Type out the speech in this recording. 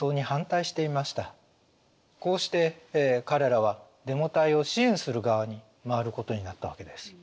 こうして彼らはデモ隊を支援する側に回ることになったわけです。